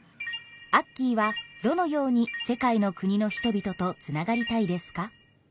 アッキーはどのように世界の国の人々とつながりたいですか？